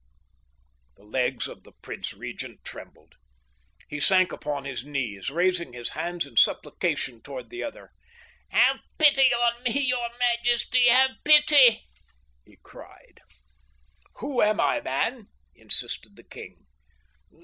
The legs of the Prince Regent trembled. He sank upon his knees, raising his hands in supplication toward the other. "Have pity on me, your majesty, have pity!" he cried. "Who am I, man?" insisted the king.